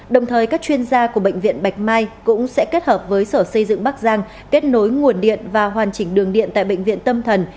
đồng thời các chuyên gia của bệnh viện bạch mai cũng sẽ kết hợp với sở xây dựng bắc giang kết nối nguồn điện và hoàn chỉnh đường điện tại bệnh viện tâm thần